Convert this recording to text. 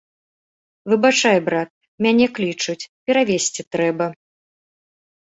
Выбачай, брат, мяне клічуць, перавезці трэба.